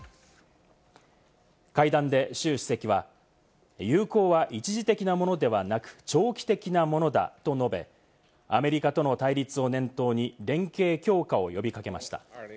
会談でシュウ主席は、友好は一時的なものではなく、長期的なものだと述べ、アメリカとの対立を念頭に連携・強化を呼び掛けました。